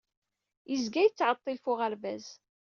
Yezga yettɛeḍḍil ɣef uɣerbaz.